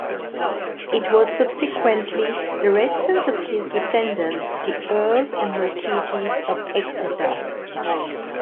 It was subsequently the residence of his descendants, the Earls and Marquesses of Exeter.